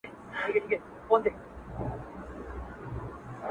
ما ویل دلته هم جنت سته فریښتو ویله ډېر دي-